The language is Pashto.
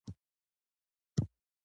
جان مکډم د سیمې یو مشهور سړک جوړونکی و.